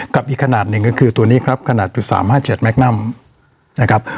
กับอีกขนาดหนึ่งก็คือตัวนี้ครับขนาดจุดสามห้าเจ็ดแม็กซ์นั้มนะครับ